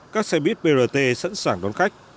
các xe bus brt sẵn sàng đón khách